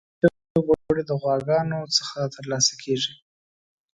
سوچه غوړی د غواګانو څخه ترلاسه کیږی